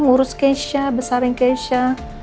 ngurus keisha besarin keisha